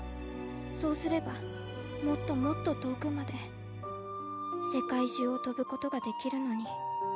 そうすればもっともっととおくまでせかいじゅうをとぶことができるのに。